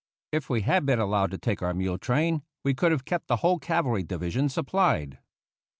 If we had been allowed to take our mule train, we could have kept the whole cavalry division supplied.